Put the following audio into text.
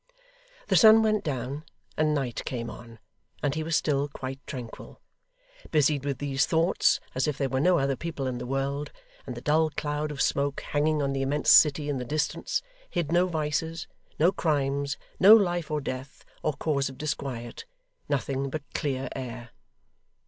The sun went down, and night came on, and he was still quite tranquil; busied with these thoughts, as if there were no other people in the world, and the dull cloud of smoke hanging on the immense city in the distance, hid no vices, no crimes, no life or death, or cause of disquiet nothing but clear air.